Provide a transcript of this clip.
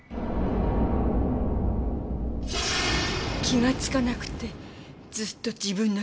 気がつかなくてずっと自分の部屋に。